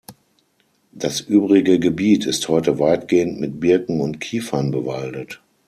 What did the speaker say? Das übrige Gebiet ist heute weitgehend mit Birken und Kiefern bewaldet.